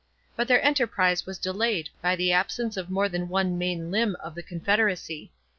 But their enterprise was delayed by the absence of more than one main limb of the confederacy.